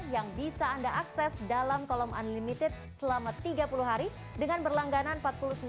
yang bisa anda akses dalam kolom unlimited selama tiga puluh hari dengan berlangganan rp empat puluh sembilan lima ratus per bulan